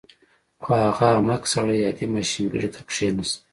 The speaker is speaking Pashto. خو هغه احمق سړی عادي ماشینګڼې ته کېناست